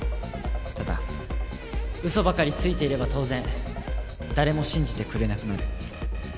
ただウソばかりついていれば当然誰も信じてくれなくなる。